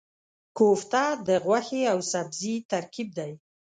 کوفته د غوښې او سبزي ترکیب دی.